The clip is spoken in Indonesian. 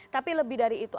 tapi lebih dari itu